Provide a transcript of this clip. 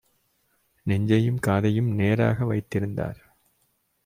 நெஞ்சையும் காதையும் நேராக வைத்திருந்தார்: